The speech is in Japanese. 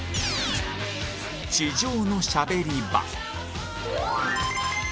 地上のしゃべり場